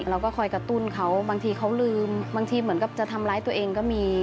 เราก็คอยกระตุ้นเขาบางทีเขาลืมบางทีเหมือนกับจะทำร้ายตัวเองก็มี